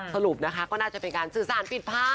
สรุปนะคะก็น่าจะเป็นการสื่อสารปิดภาพ